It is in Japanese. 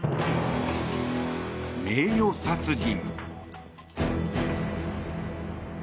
名誉殺人。